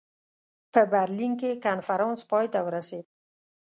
په برلین کې کنفرانس پای ته ورسېد.